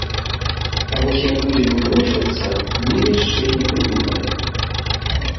А вось як будзем выкручвацца, мы яшчэ не прыдумалі.